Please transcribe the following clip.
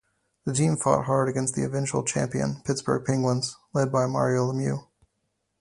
The team fought hard against the eventual champion Pittsburgh Penguins, led by Mario Lemieux.